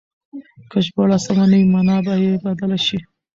که ژباړه سمه نه وي مانا به يې بدله شي.